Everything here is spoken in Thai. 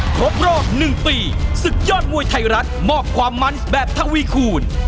ครบรอบ๑ปีศึกยอดมวยไทยรัฐมอบความมันแบบทวีคูณ